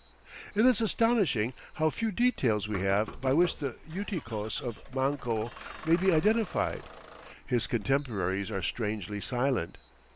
It is astonishing how few details we have by which the Uiticos of Manco may be identified. His contemporaries are strangely silent.